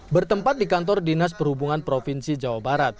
bertempat di kantor dinas perhubungan provinsi jawa barat